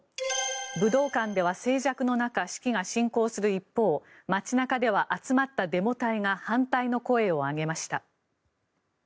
武道館では静寂の中式が進行する一方街中では集まったデモ隊が反対の声を上げました。